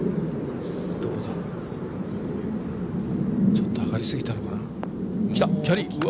ちょっと上がりすぎたのかな